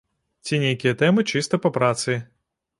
Ці нейкія тэмы чыста па працы.